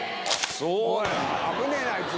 危ねぇなあいつ！